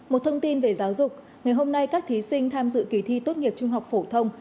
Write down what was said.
một thông tin về giáo dục ngày hôm nay các thí sinh tham dự kỳ thi tốt nghiệp trung học phổ thông